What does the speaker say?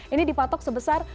ini dipatok sebesar rp dua